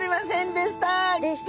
でしたね。